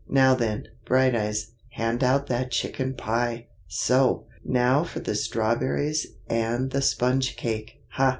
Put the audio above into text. "Now then, Brighteyes, hand out that chicken pie! So! now for the strawberries and the sponge cake! ha!